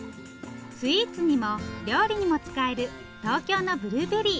スイーツにも料理にも使える東京のブルーベリー。